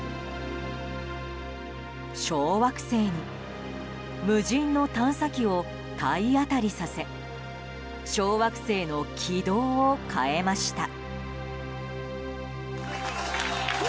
小惑星に無人の探査機を体当たりさせ小惑星の軌道を変えました。